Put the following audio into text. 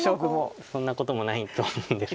いやそんなこともないと思うんですけど。